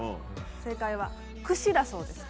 正解はクシだそうです。